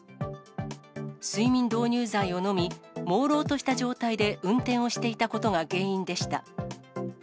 睡眠導入剤をのみ、もうろうとした状態で運転をしていたことが原因でした。